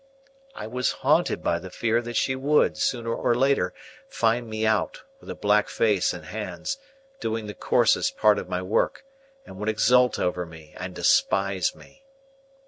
I was haunted by the fear that she would, sooner or later, find me out, with a black face and hands, doing the coarsest part of my work, and would exult over me and despise me.